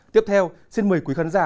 tiếp theo xin mời quý khán giả